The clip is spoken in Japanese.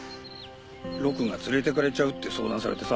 ロクが連れていかれちゃうって相談されてさ。